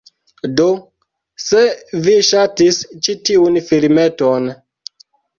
Do, se vi ŝatis ĉi tiun filmeton